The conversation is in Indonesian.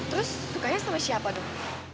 terus sukanya sama siapa dong